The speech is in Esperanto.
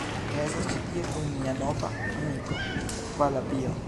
Mi estas ĉi tie kun mia nova amiko, Valabio.